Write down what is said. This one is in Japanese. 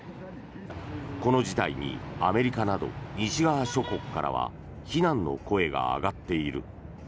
この事態にアメリカなど西側諸国からは非難の声が上がっている。